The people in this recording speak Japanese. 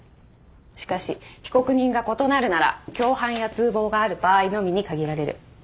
しかし被告人が異なるなら共犯や通謀がある場合のみに限られる。